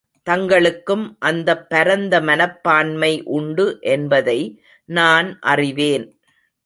தங்களுக்கும் அந்தப் பரந்த மனப்பான்மை உண்டு என்பதை நான் அறிவேன்.